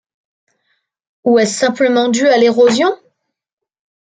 Ou est ce simplement dû à l'érosion?